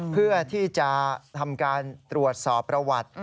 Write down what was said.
เพื่อที่จะทำการตรวจสอบประวัติ